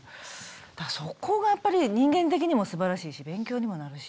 だからそこがやっぱり人間的にもすばらしいし勉強にもなるし。